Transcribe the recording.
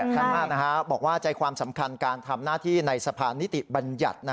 ชั้นมากบอกว่าใจความสำคัญการทำหน้าที่ในสะพานนิติบัญญัติ